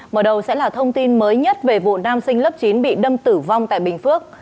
mở đầu sẽ là thông tin mới nhất về vụ nam sinh lớp chín bị đâm tử vong tại bình phước